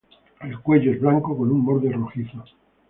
El cuello es blanco con un borde rojizo.